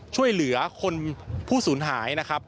ช่วยเหลือคนผู้สูญหายนะครับ